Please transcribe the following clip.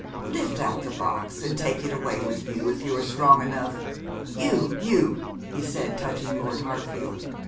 Lift out the box and take it away with you, if you are strong enough, you, you,' he said, touching Lord Hartfield.